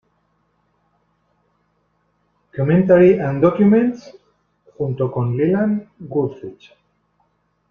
Commentary and documents" junto con Leland Goodrich.